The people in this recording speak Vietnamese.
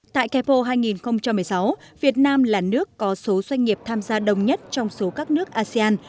tại ca expo hai nghìn một mươi sáu việt nam là nước có số doanh nghiệp tham gia đông nhất trong số các nước asean